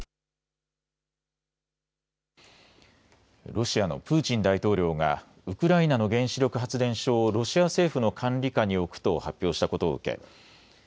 ロシアのプーチン大統領がウクライナの原子力発電所をロシア政府の管理下に置くと発表したことを受け